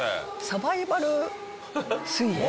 サバイバル水泳？